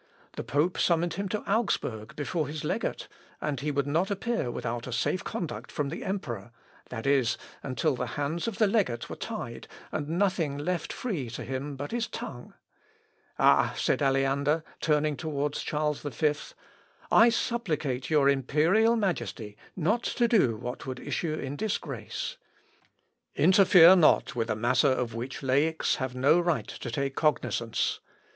The pope summoned him to Augsburg before his legate, and he would not appear without a safe conduct from the emperor, i. e. until the hands of the legate were tied, and nothing left free to him but his tongue. "Ah!" said Aleander, turning towards Charles V, "I supplicate your imperial majesty not to do what would issue in disgrace. Interfere not with a matter of which laics have no right to take cognisance.